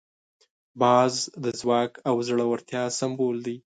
باز د ځواک او زړورتیا سمبول دی